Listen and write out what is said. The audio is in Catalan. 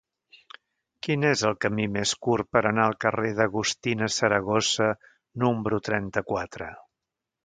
Quin és el camí més curt per anar al carrer d'Agustina Saragossa número trenta-quatre?